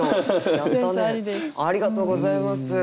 ありがとうございます。